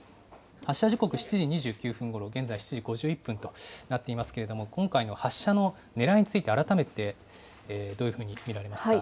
発射時刻７時２９分ごろ、現在７時５１分となっていますけれども、今回の発射のねらいについて、改めてどういうふうに見られますか。